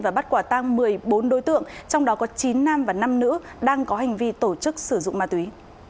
và bắt quả tăng một mươi bốn đối tượng trong đó có chín nam và năm nữ đang có hành vi tổ chức sử dụng ma túy